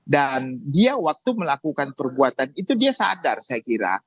dan dia waktu melakukan perbuatan itu dia sadar saya kira